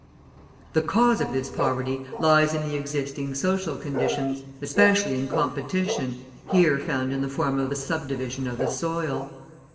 The cause of this poverty lies in the existing social conditions, especially in competition here found in the form of the subdivision of the soil.